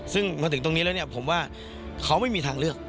ซึ่งมาถึงตรงนี้แล้วเนี่ยผมว่าเขาไม่มีทางเลือก